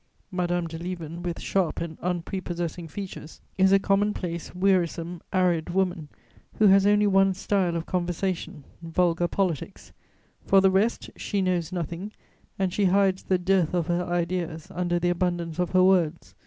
Madame de Lieven, with sharp and unprepossessing features, is a commonplace, wearisome, arid woman, who has only one style of conversation: vulgar politics; for the rest, she knows nothing and she hides the dearth of her ideas under the abundance of her words.